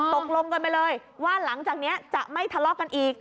ตกลงกันไปเลยว่าหลังจากนี้จะไม่ทะเลาะกันอีก